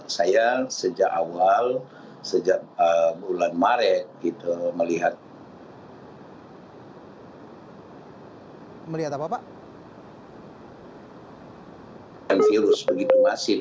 saya sejak awal sejak bulan maret melihat virus begitu masif